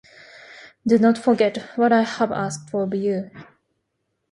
Do not forget what I have asked of you.